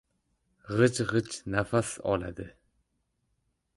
G‘ij-g‘ij nafas oladi.